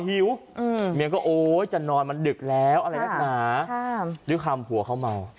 ด้วยคำหัวเขาเย็น